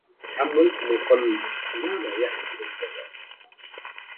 حملتم القلب ما لا يحمل البدن